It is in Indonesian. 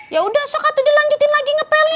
yaudah sokatu dilanjutin lagi ngepelnya